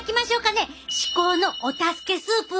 至高のお助けスープを。